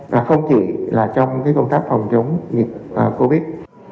và không chỉ là trong công tác phòng chống covid